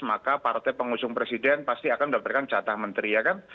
maka partai pengusung presiden pasti akan mendapatkan jatah menteri ya kan